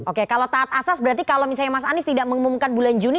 oke kalau taat asas berarti kalau misalnya mas anies tidak mengumumkan bulan juni